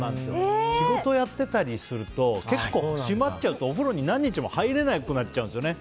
仕事やってたりすると閉まっちゃうとお風呂に何日も入れなくなっちゃうんですよね。